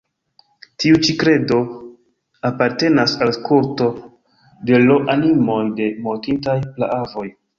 Tiu ĉi kredo apartenas al kulto de l' animoj de mortintaj praavoj.